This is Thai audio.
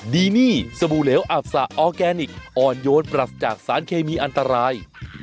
ดีนี่สบู่เหลวอับสะออร์แกนิคอ่อนโยนปรัสจากสารเคมีอันตราย